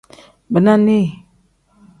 Bina nii.